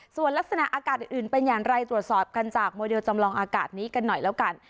ส่วนลักษณะอากาศอื่นเป็นอย่างไรตรวจสอบกันจากโมเดลจำลองอากาศนี้กันหน่อยแล้วกัน